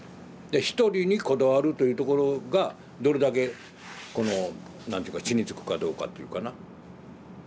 で一人にこだわるというところがどれだけこの何ていうか地に着くかどうかっていうかな。